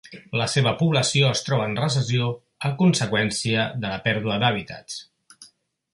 La seva població es troba en recessió a conseqüència de la pèrdua d'hàbitats.